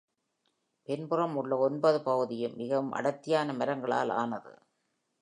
பின்புறம் உள்ள ஒன்பது பகுதியும் மிகவும் அடர்த்தியான மரங்களால் ஆனது.